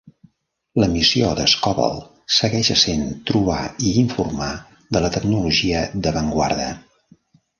La missió de Scoble segueix essent trobar i informar de la tecnologia d'avantguarda.